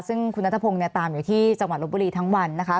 ซึ่งคุณนัทพงศ์ตามอยู่ที่จังหวัดลบบุรีทั้งวันนะคะ